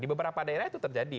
di beberapa daerah itu terjadi